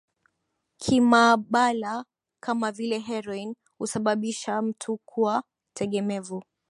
kimaabala kama vile heroin husababisha mtu kuwa tegemevu